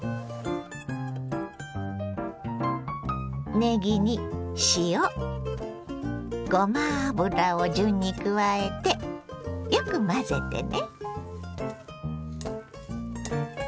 ねぎに塩ごま油を順に加えてよく混ぜてね。